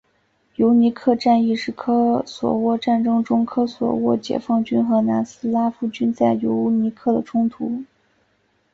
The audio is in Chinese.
尤尼克战役是科索沃战争中科索沃解放军和南斯拉夫军在尤尼克的冲突。